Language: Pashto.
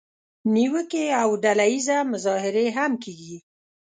نیوکې او ډله اییزه مظاهرې هم کیږي.